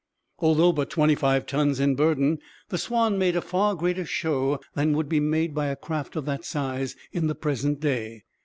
Although but twenty five tons in burden, the Swanne made a far greater show than would be made by a craft of that size in the present day.